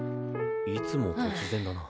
いつも突然だな。